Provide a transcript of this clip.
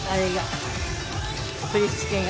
振り付けが。